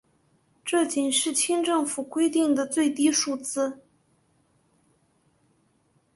这仅是清政府规定的最低数字。